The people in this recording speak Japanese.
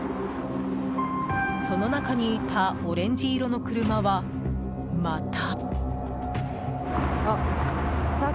その中にいたオレンジ色の車は、また。